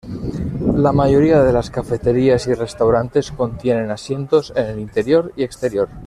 La mayoría de las cafeterías y restaurantes contienen asientos en el interior y exterior.